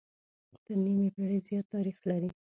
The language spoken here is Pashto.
تر نيمې پېړۍ زيات تاريخ لري